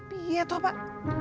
piat oh pak